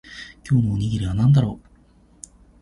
今日のおにぎりは何だろう